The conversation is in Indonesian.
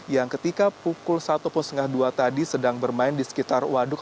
yang ketika pukul satu tiga puluh tadi sedang bermain di sekitar waduk